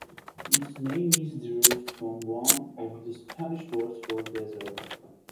Its name is derived from one of the Spanish words for "desert".